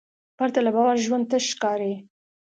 پرته له باور ژوند تش ښکاري.